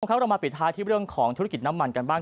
ครับเรามาปิดท้ายที่เรื่องของธุรกิจน้ำมันกันบ้าง